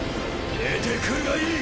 出てくるがいい！